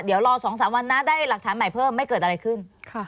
เดี๋ยวรอ๒๓วันนะได้หลักฐานใหม่เพิ่มไม่เกิดอะไรขึ้น